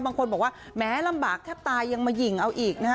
บางคนบอกว่าแม้ลำบากแทบตายยังมายิงเอาอีกนะฮะ